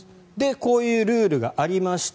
こういうルールがありました。